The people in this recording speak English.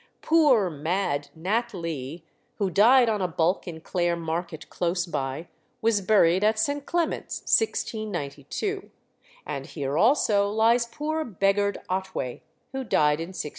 Poor mad Nat Lee, who died on a bulk in Clare Market close by, was buried at St. Clement's, 1692; and here also lies poor beggared Otway, who died in 1685.